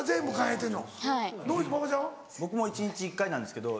僕も一日１回なんですけど。